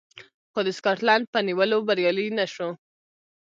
خو د سکاټلنډ په نیولو بریالی نه شو